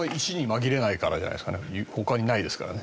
他にないですからね。